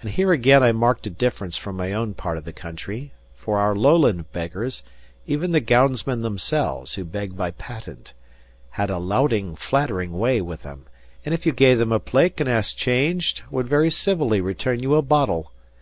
And here again I marked a difference from my own part of the country. For our Lowland beggars even the gownsmen themselves, who beg by patent had a louting, flattering way with them, and if you gave them a plaek and asked change, would very civilly return you a boddle.